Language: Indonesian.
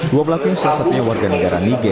dua belakang salah satunya warga negara niger